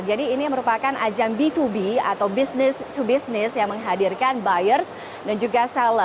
jadi ini merupakan ajang b dua b atau business travel